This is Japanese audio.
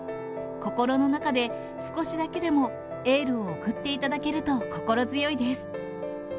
心の中で少しだけでもエールを送っていただけると心強いです。